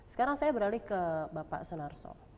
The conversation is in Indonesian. sekarang saya beralih ke bapak sonarso